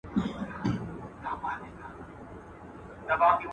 آیا د غریبۍ کچه د طلاق په کچه اثر لري؟